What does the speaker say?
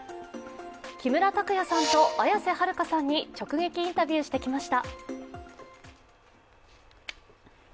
木村拓哉さんと綾瀬はるかさんに直撃インタビューしてきました。